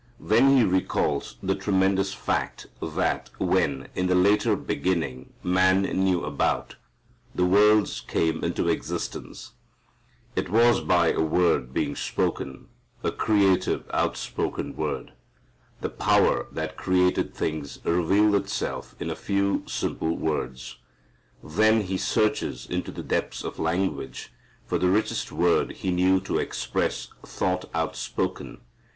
Then he recalls the tremendous fact that when, in the later beginning man knew about, the worlds came into existence, it was by a word being spoken, a creative, outspoken word. The power that created things revealed itself in a few simple words. Then he searches into the depths of language for the richest word he knew to express thought outspoken.